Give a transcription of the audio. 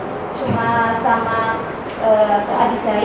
cuma sama keadisan